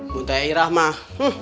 minta irah mah